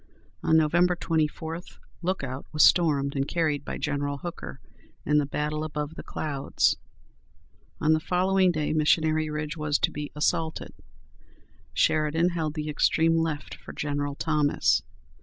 On Nov. 24, Lookout was stormed and carried by General Hooker in the "Battle above the Clouds." On the following day Missionary Ridge was to be assaulted. Sheridan held the extreme left for General Thomas.